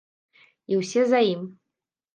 І ўсе за ім.